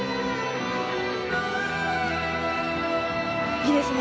いいですね。